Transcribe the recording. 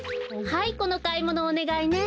はいこのかいものおねがいね。